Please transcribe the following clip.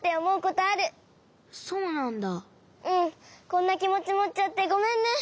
こんなきもちもっちゃってごめんね。